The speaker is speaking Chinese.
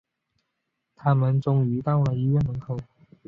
终于他们到了医院门口